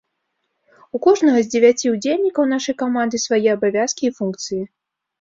У кожнага з дзевяці ўдзельнікаў нашай каманды свае абавязкі і функцыі.